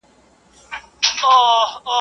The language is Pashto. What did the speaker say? ږيره ئې لو کړه، بلا ئې پکښي للو کړه.